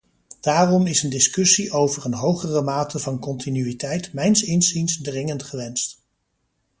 Daarom is een discussie over een hogere mate van continuïteit mijns inziens dringend gewenst.